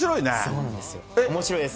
そうなんです。